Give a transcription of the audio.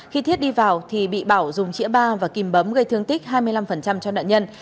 khi thiết đi vào thì bị bảo dùng chĩa ba và kìm bấm gây thương tích hai mươi năm cho nạn nhân